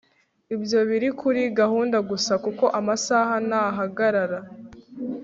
ibyo biri kuri gahunda gusa kuko amasaha ntahagarara